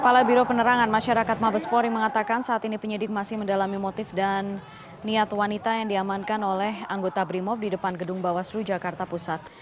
kepala biro penerangan masyarakat mabespori mengatakan saat ini penyidik masih mendalami motif dan niat wanita yang diamankan oleh anggota brimob di depan gedung bawaslu jakarta pusat